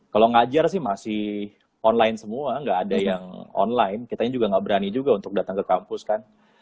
kalau ngajar sih masih online semua nggak ada yang online kita juga nggak berani juga untuk datang ke kampus kan